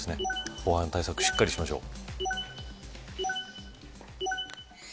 防犯対策、しっかりしましょう。